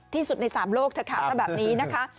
ที่สุดในสามโลกถ้าขาวแบบนี้นะคะ